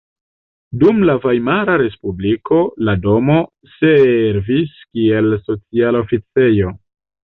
Dum la Vajmara respubliko la domo servis kiel sociala oficejo.